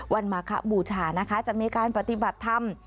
มาคบูชานะคะจะมีการปฏิบัติธรรม